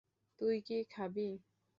তুই কী খাবি?